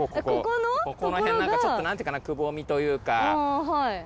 ここのへんなんかちょっとくぼみというか。